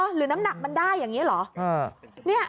หรือน้ำหนักมันได้อย่างนี้เหรอ